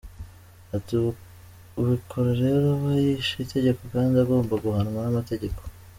Ati “Ubikora rero aba yishe itegeko kandi agomba guhanwa n’amategeko.